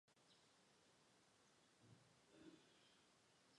电影上下集合计在台湾累积票房也屡创纪录。